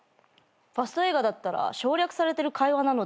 ファスト映画だったら省略されてる会話なのでは？